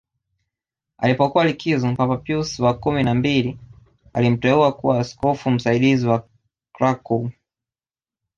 Alipokuwa likizo Papa Pius wa kumi na mbili alimteua kuwa askofu msaidizi wa Krakow